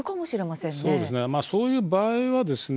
そういう場合はですね